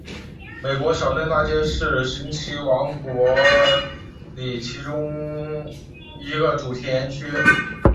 美国小镇大街是神奇王国里其中一个主题园区。